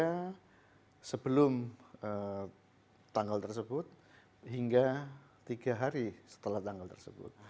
sehingga sebelum tanggal tersebut hingga tiga hari setelah tanggal tersebut